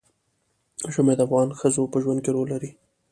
ژمی د افغان ښځو په ژوند کې رول لري.